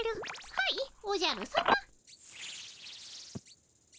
はいおじゃるさま。